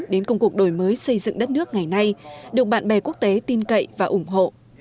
đến công cuộc đổi mới xây dựng đất nước ngày nay được bạn bè quốc tế tin cậy và ủng hộ